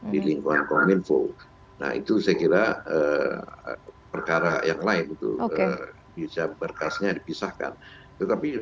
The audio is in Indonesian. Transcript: di lingkungan kominfo nah itu saya kira perkara yang lain itu bisa berkasnya dipisahkan tetapi